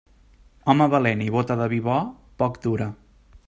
Home valent i bóta de vi bo, poc dura.